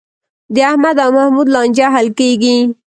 د احمد او محمود لانجه حل کېږي.